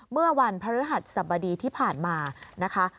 เมื่อวันพระฤหัสสบดีที่ผ่านมานะคะ